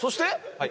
はい。